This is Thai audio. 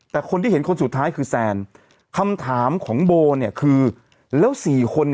แต่คนที่เห็นคนสุดท้ายคือแซนคำถามของโบคือแล้ว๔คน